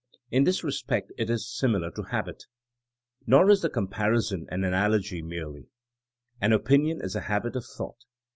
In this respect it is similar to habit. Nor is the comparison an analogy merely. An opinion is a habit of thought.